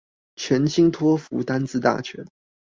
全新托福單字大全